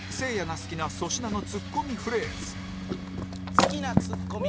好きなツッコミ